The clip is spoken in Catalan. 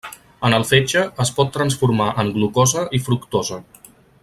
En el fetge es pot transformar en glucosa i fructosa.